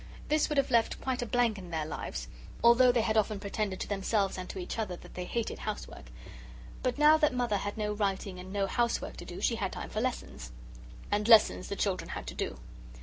This would have left quite a blank in their lives, although they had often pretended to themselves and to each other that they hated housework. But now that Mother had no writing and no housework to do, she had time for lessons. And lessons the children had to do.